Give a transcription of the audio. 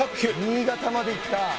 「新潟まで行った」